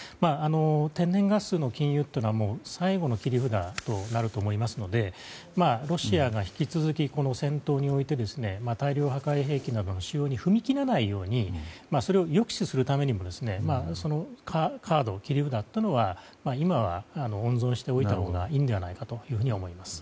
天然ガスの禁輸は最後の切り札となると思いますのでロシアが引き続きこの戦闘において大量破壊兵器などの使用に踏み切らないようにそれを抑止するためにもそのカード、切り札というのは今は温存しておいたほうがいいのではないかと思います。